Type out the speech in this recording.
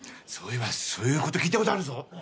そういえばそういうこと聞いたことあるぞ。